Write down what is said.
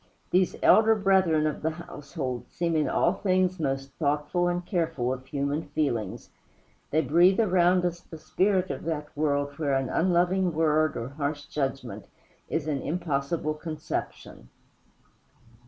These elder brethren of the household seem in all things most thoughtful and careful of human feelings; they breathe around us the spirit of that world where an unloving word or harsh judgment is an impossible conception.